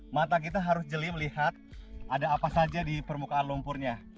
mata kita harus jeli melihat ada apa saja di permukaan lumpurnya